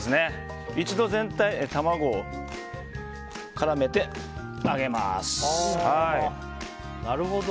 一度、全体に卵を絡めてあげます。